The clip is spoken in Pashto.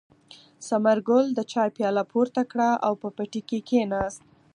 ثمرګل د چای پیاله پورته کړه او په پټي کې کېناست.